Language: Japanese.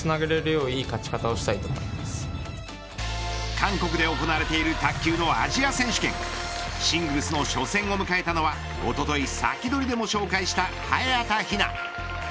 韓国で行われている卓球のアジア選手権シングルスの初戦を迎えたのはおととい、サキドリでも紹介した早田ひな。